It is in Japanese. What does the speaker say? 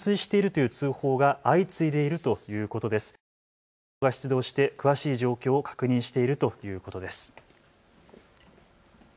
消防が出動して詳しい状況を確認しているということです。